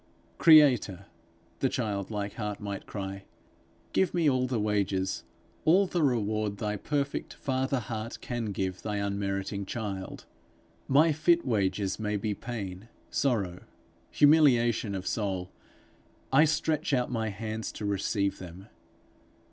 'Creator,' the childlike heart might cry, 'give me all the wages, all the reward thy perfect father heart can give thy unmeriting child. My fit wages may be pain, sorrow, humiliation of soul: I stretch out my hands to receive them.